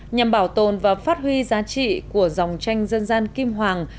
nhằm bảo tồn và phát huy giá trị của dòng tranh dân gian kim hoàng